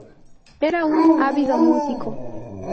Era un ávido músico.